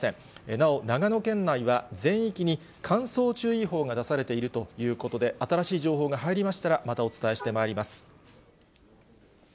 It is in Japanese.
なお長野県内は全域に乾燥注意報が出されているということで、新しい情報が入りましたらまたお伝えしてまいります。